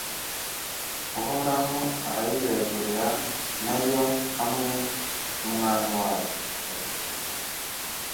uhoraho arayibegurira na yo hamwe n'umwami wayo